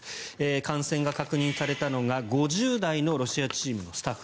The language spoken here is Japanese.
感染が確認されたのが５０代のロシアチームのスタッフ。